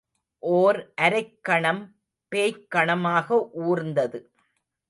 ஓர் அரைக்கணம், பேய்க் கணமாக ஊர்ந்தது.